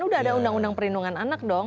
udah ada undang undang perlindungan anak dong